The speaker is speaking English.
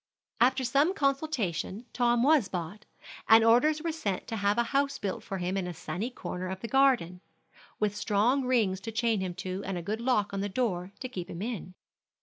After some consultation Tom was bought, and orders were sent to have a house built for him in a sunny corner of the garden, with strong rings to chain him to, and a good lock on the door to keep him in.